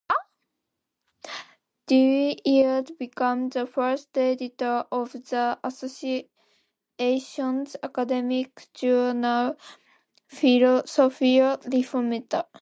Dooyeweerd became the first editor of the Association's academic journal "Philosophia Reformata".